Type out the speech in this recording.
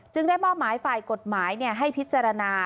ได้มอบหมายฝ่ายกฎหมายให้พิจารณา